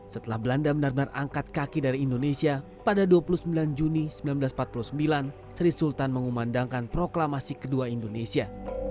setelah belanda benar benar angkat kaki dari indonesia pada dua puluh sembilan juni seribu sembilan ratus empat puluh sembilan sri sultan mengumandangkan proklamasi kedua indonesia